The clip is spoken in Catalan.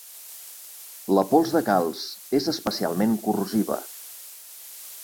La pols de calç és especialment corrosiva.